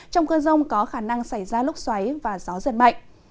trong cơn rông có khả năng xảy ra lúc xoáy và gió giật mạnh